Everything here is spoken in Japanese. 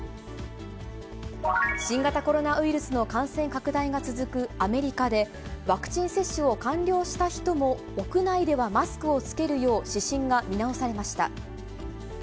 新型コロナウイルスの感染拡大が続くアメリカで、ワクチン接種を完了した人も、屋内ではマスクを着けるよう指針が見直されました。